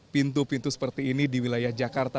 pintu pintu seperti ini di wilayah jakarta